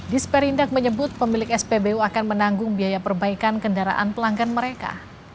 disperindak menyebut pemilik spbu akan menanggung biaya perbaikan kendaraan pelanggan mereka